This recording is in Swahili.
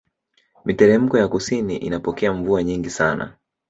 Miteremko ya kusini inapokea mvua nyingi sana